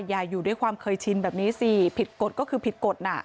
อย่าอยู่ด้วยความเคยชินแบบนี้สิผิดกฎก็คือผิดกฎน่ะ